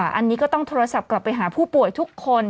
อันนี้ก็ต้องโทรศัพท์กลับไปหาผู้ป่วยทุกคน